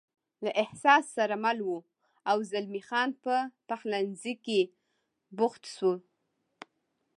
له احساس سره مل و، او زلمی خان په پخلنځي کې بوخت شول.